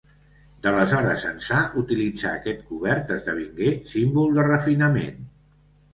D’aleshores ençà utilitzar aquest cobert esdevingué símbol de refinament.